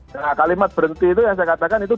nah kalimat berhenti itu yang saya katakan itu